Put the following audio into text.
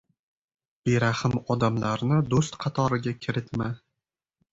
— Berahm odamlarni do‘st qatoriga kiritma.